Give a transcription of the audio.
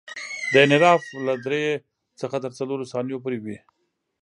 دا انحراف له درې څخه تر څلورو ثانیو پورې وي